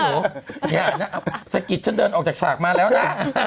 โอ้โหเนี่ยนะสะกิดฉันเดินออกจากฉากมาแล้วนะ